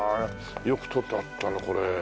よく取ってあったなこれ。